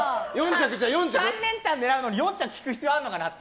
３連単狙うのに４着聞く必要があるのかなって。